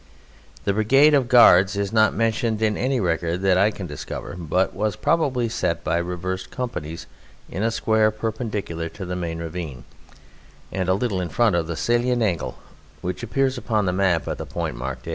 The Brigade of Guards is not mentioned in any record that I can discover, but was probably set by reversed companies in a square perpendicular to the main ravine and a little in front of the salient angle which appears upon the map at the point marked A.